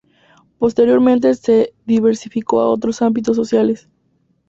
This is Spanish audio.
Posteriormente se diversificó a otros ámbitos sociales.